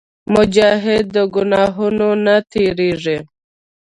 مجاهد د ګناهونو نه تېرېږي.